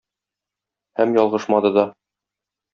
Һәм ялгышмады да.